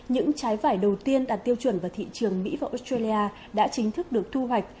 những trái vải đầu tiên đạt tiêu chuẩn vào thị trường mỹ và australia đã chính thức được thu hoạch